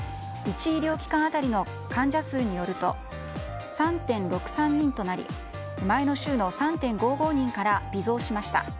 １医療機関当たりの患者数によると３．６３人となり前の週の３．５５人から微増しました。